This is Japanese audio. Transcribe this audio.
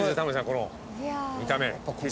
この見た目景色。